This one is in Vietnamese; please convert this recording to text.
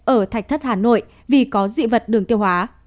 ở thạch thất hà nội vì có dị vật đường tiêu hóa